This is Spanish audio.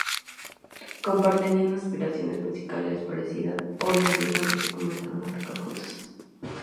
Compartían aspiraciones musicales parecidas, e inmediatamente comenzaron a tocar juntos.